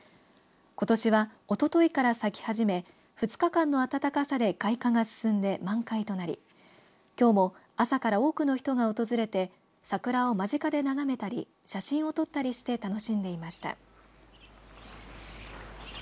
ことしは、おとといから咲き始め２日間の暖かさで開花が進んで満開となりきょうも朝から多くの人が訪れて桜を間近で眺めたり写真を撮ったりして楽しんでいました。